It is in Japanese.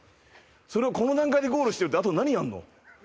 それをこの段階でゴールしてるってあと何があるの？